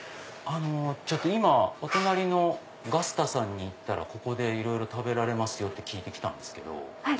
今お隣のＧＡＺＴＡさんに行ったらここで食べられますよって聞いて来たんですけど。